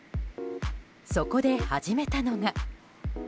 そこで始めたのが。